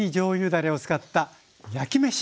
だれを使った焼きめし！